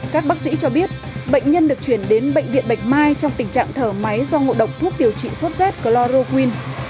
các bác sĩ cho biết bệnh nhân được chuyển đến bệnh viện bạch mai trong tình trạng thở máy do ngộ độc thuốc điều trị sốt z chloroquine